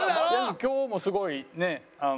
今日もすごいねっ。